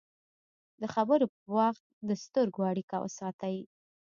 د خبرو پر وخت د سترګو اړیکه وساتئ